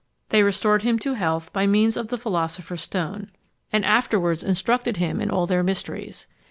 They restored him to health by means of the philosopher's stone, and afterwards instructed him in all their mysteries.